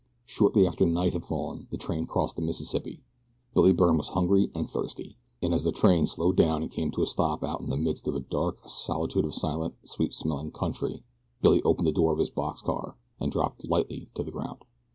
Shortly after night had fallen the train crossed the Mississippi. Billy Byrne was hungry and thirsty, and as the train slowed down and came to a stop out in the midst of a dark solitude of silent, sweet smelling country, Billy opened the door of his box car and dropped lightly to the ground.